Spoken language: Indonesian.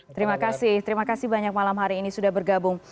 terima kasih banyak malam hari ini sudah bergabung